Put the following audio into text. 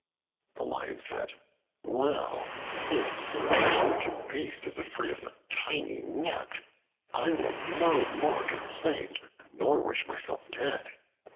The Lion said, "Well, since so huge a beast is afraid of a tiny gnat, I will no more complain, nor wish myself dead.